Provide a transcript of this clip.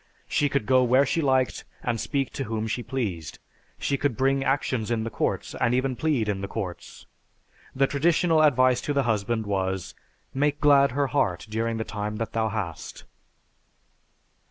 She could go where she liked and speak to whom she pleased. She could bring actions in the courts and even plead in the courts. The traditional advice to the husband was, "Make glad her heart during the time that thou hast."